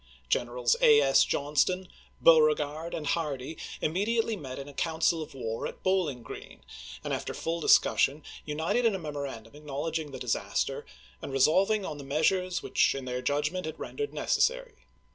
Generals A. S. Johnston, Beauregard, and Hardee immediately met in a coun cil of war at Bowling Green, and after full discus sion united in a memorandum acknowledging the disaster and resolving on the measures which in their judgment it rendered necessary.